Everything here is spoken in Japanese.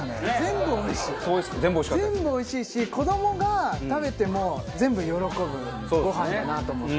全部おいしいし子どもが食べても全部喜ぶごはんだなと思って。